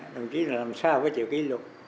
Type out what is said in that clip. đồng chí làm sao phải chịu kỷ luật